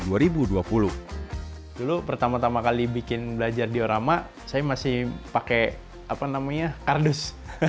dulu pertama tama kali bikin belajar diorama saya masih pakai kardus